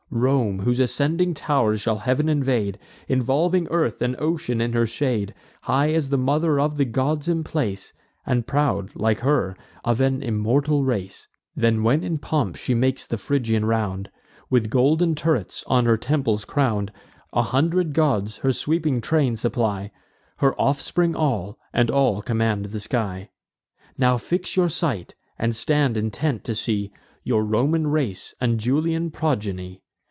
Rome, whose ascending tow'rs shall heav'n invade, Involving earth and ocean in her shade; High as the Mother of the Gods in place, And proud, like her, of an immortal race. Then, when in pomp she makes the Phrygian round, With golden turrets on her temples crown'd; A hundred gods her sweeping train supply; Her offspring all, and all command the sky. "Now fix your sight, and stand intent, to see Your Roman race, and Julian progeny.